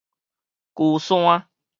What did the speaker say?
龜山